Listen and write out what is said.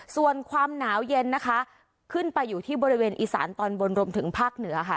ส่วนความหนาวเย็นนะคะขึ้นไปอยู่ที่บริเวณอีสานตอนบนรวมถึงภาคเหนือค่ะ